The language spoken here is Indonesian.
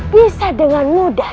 bisa dengan mudah